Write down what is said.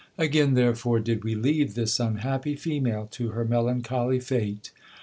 Again therefore did we leave this unhappy female to her melancholy fate.